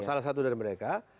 salah satu dari mereka